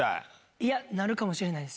いや、なるかもしれないです。